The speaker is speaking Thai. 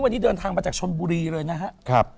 วันนี้เดินทางมาจากชนบุรีเลยนะครับ